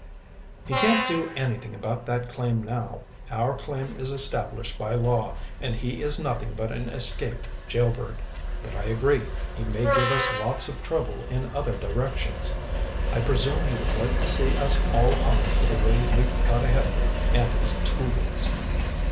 "He can't do anything about that claim now. Our claim is established by law, and he is nothing but an escaped jailbird. But I agree he may give us lots of trouble in other directions. I presume he would like to see us all hung for the way we got ahead of him and his tools."